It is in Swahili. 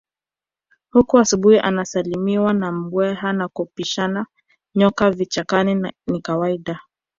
Huku asubuhi anasalimiwa na mbweha na kupishana nyoka vichakani ni kawaida